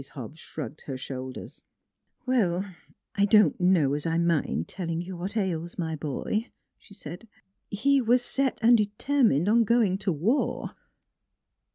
Mrs. Hobbs shrugged her shoulders. " Well, I don't know as I mind telling you what ails my boy," she said: " He was set and determined on going to the war."